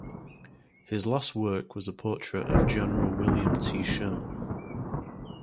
His last work was a portrait of General William T. Sherman.